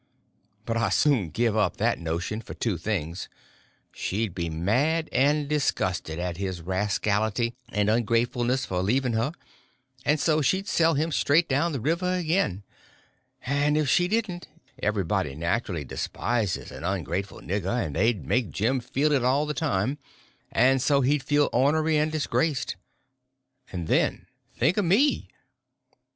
But I soon give up that notion for two things: she'd be mad and disgusted at his rascality and ungratefulness for leaving her, and so she'd sell him straight down the river again; and if she didn't, everybody naturally despises an ungrateful nigger, and they'd make Jim feel it all the time, and so he'd feel ornery and disgraced. And then think of _me!